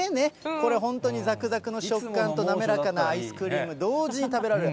これ、本当に、ざくざくの食感と、滑らかなアイスクリーム、同時に食べられる。